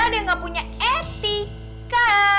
dia gak punya etika